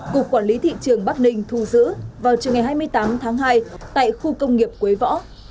cục quản lý thị trường bắc ninh thu giữ vào trường ngày hai mươi tám tháng hai tại khu công nghiệp quế võ